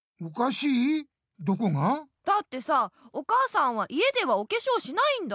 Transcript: どこが？だってさお母さんは家ではおけしょうしないんだ。